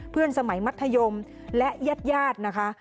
เพื่อนสมัยมัธยมและญาตินะคะ